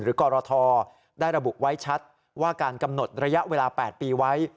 กรทได้ระบุไว้ชัดว่าการกำหนดระยะเวลา๘ปีไว้